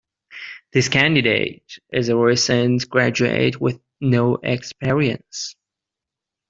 This candidate is a recent graduate with no experience.